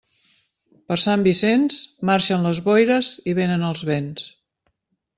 Per Sant Vicenç, marxen les boires i vénen els vents.